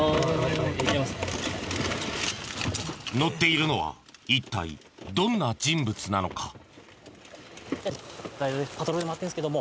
乗っているのは一体どんな人物なのか？